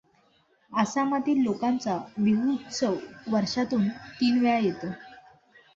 आसामातील लोकांचा बिहू उत्स्व वर्षातुन तीन वेळेला येतो.